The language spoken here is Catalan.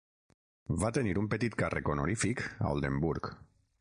Va tenir un petit càrrec honorífic a Oldenburg.